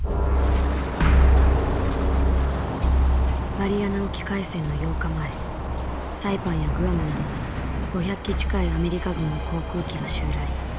マリアナ沖海戦の８日前サイパンやグアムなどに５００機近いアメリカ軍の航空機が襲来。